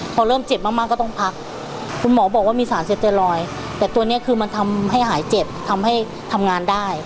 พอเริ่มเจ็บมากก็ต้องพักคุณหมอบอกว่ามีสารเสพเตรอยแต่ตัวนี้คือมันทำให้หายเจ็บทำให้ทำงานได้